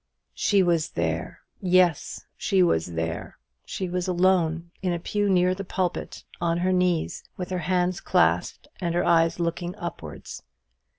She was there; yes, she was there. She was alone, in a pew near the pulpit, on her knees, with her hands clasped and her eyes looking upwards.